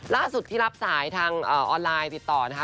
ล่าสุดที่รับสายทางออนไลน์ติดต่อนะคะ